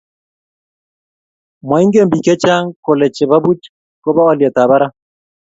Moingen bik chechang kole chebo buch kobo olyetab barak